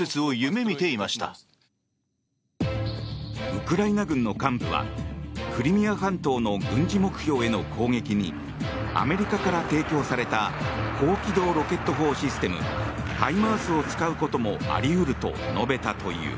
ウクライナ軍の幹部はクリミア半島の軍事目標への攻撃にアメリカから提供された高機動ロケット砲システムＨＩＭＡＲＳを使うこともあり得ると述べたという。